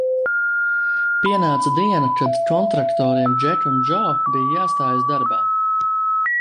"Pienāca diena, kad kontraktoriem "Džek un Džo" bija jāstājas darbā."